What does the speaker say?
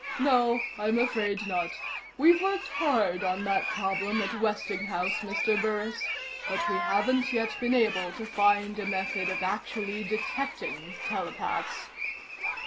"No, I'm afraid not. We've worked hard on that problem at Westinghouse, Mr. Burris, but we haven't yet been able to find a method of actually detecting telepaths."